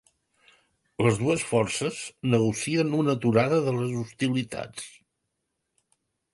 Les dues forces negocien una aturada de les hostilitats